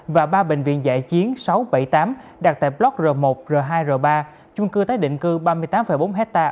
và ba bệnh viện giải chiến sáu trăm bảy mươi tám đặt tại block r một r hai r ba chung cư tái định cư ba mươi tám bốn ha